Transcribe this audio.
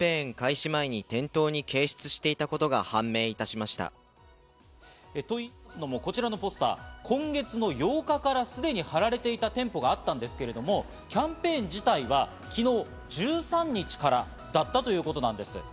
しかし。というのもこちらのポスター、今月の８日からすでに貼られていた店舗があったんですけれども、キャンペーン自体は昨日１３日からだったということなんです。